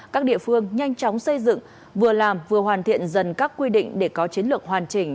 chống xây dựng vừa làm vừa hoàn thiện dần các quy định để có chiến lược hoàn chỉnh